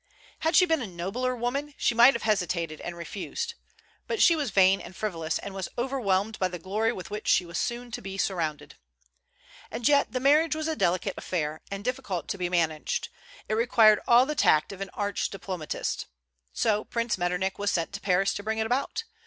Had she been a nobler woman, she might have hesitated and refused; but she was vain and frivolous, and was overwhelmed by the glory with which she was soon to be surrounded. And yet the marriage was a delicate affair, and difficult to be managed. It required all the tact of an arch diplomatist. So Prince Metternich was sent to Paris to bring it about.